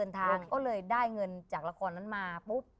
ก็เลยได้เงินจากละครนั้นมาปุ๊บ